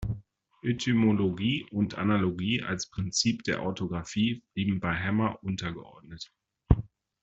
Etymologie und Analogie als Prinzip der Orthographie blieben bei Hemmer untergeordnet.